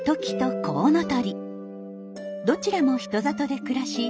どちらも人里で暮らし